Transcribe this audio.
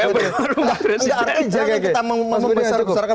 gak artinya jangan kita membesarkan